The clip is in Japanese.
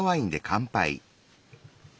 乾杯。